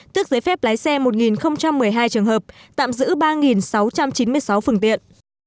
tức giấy phép lái xe một một mươi hai trường hợp tạm giữ ba sáu trăm chín mươi sáu phương tiện